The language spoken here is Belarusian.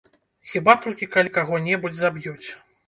Хіба толькі калі каго-небудзь заб'юць.